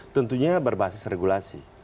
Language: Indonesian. tentunya berbasis regulasi